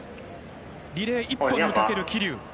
リレー１本にかける桐生。